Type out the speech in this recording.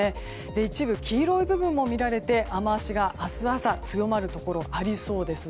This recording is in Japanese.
一部、黄色い部分も見られて雨脚が明日朝強まるところありそうです。